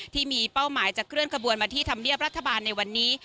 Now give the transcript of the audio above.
ที่มีเป้าหมายจะเคลื่อนขบวนมาที่ธรรมเนียบรัฐบาลในวันนี้